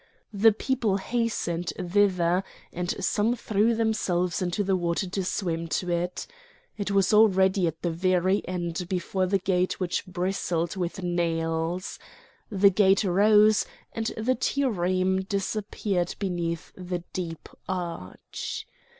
The people hastened thither, and some threw themselves into the water to swim to it. It was already at the very end before the gate which bristled with nails. The gate rose, and the trireme disappeared beneath the deep arch.